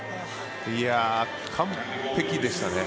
完璧でしたね。